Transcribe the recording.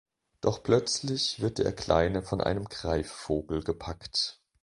Doch plötzlich wird der Kleine von einem Greifvogel gepackt.